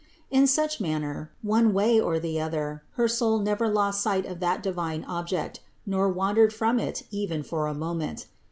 In such manner, one way or the other, her soul never lost sight of that divine Object, nor wan dered from It even for a moment.